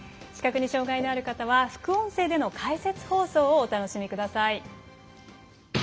視覚に障がいのある方は副音声での解説放送をお楽しみください。